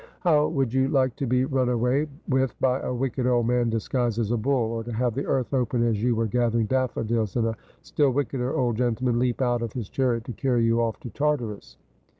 ' How would you like to be run away with by a wicked old man disguised as a bull ; or to have the earth open as you were gathering daffodils, and a still wickeder old gentleman leap out of his chariot to carry you o£E to Tartarus